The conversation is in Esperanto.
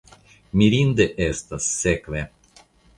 Mirinde estas, sekve.